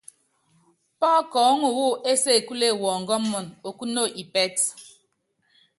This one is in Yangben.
Pɔ́kɔɔ́ŋu wú ésekule wɔngɔmun, okúno ipɛ́tɛ.